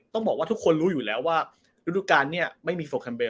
ต้องบอกว่าทุกคนรู้อยู่แล้วว่าฤดูการเนี่ยไม่มีโฟแคมเบล